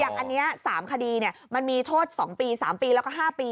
อย่างอันเนี้ย๓คดีเนี่ยมันมีโทษ๒ปี๓ปีแล้วก็๕ปี